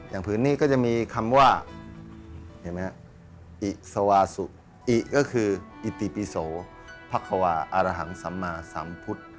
อย่างผืนนี้ก็จะมีคำว่าอิสวาสุอิก็คืออิติปิโสภัคควาอารหังสัมมาสัมพุทธ